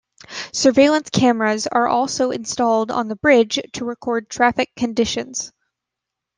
Surveillance cameras are also installed on the bridge to record traffic conditions.